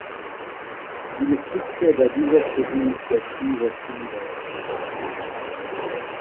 Il succède à diverses initiatives similaires.